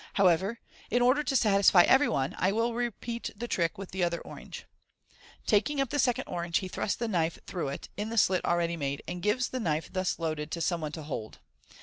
However, in order to satisfy everyone, I will repeat the trick with the othei orange." Taking up the second orange, he thrusts the kmfe through it, in the slit already made, and gives the knife thus loaded to some one to hold.